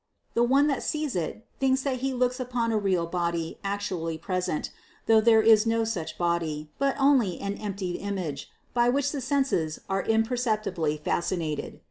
The one that sees it thinks that he looks upon a real body actually present, though there is no such body, but only an empty image, by which the senses are imperceptibly fascinated.